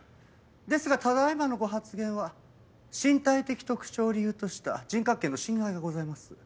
ですがただ今のご発言は身体的特徴を理由とした人格権の侵害がございます。